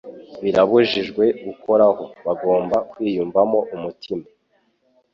Birabujijwe gukoraho Bagomba kwiyumvamo umutima.